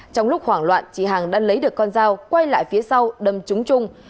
trong lúc hoảng loạn chị hằng đã lấy được con dao quay lại phía sau đâm trúng